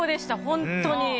本当に！